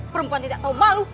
perempuan tidak tahu malu